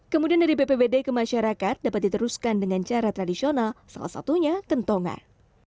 kemudian dari bpbd ke masyarakat dapat diteruskan dengan cara tradisional salah satunya kentongan